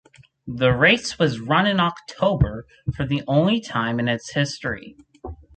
The race was run in October for the only time in its history.